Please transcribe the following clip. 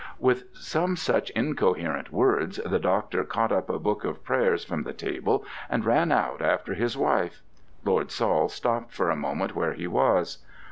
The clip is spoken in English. With some such incoherent words the doctor caught up a book of prayers from the table and ran out after his wife. Lord Saul stopped for a moment where he was.